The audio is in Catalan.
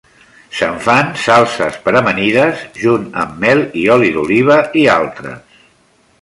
Se'n fan salses per amanides junt amb mel i oli d'oliva i altres.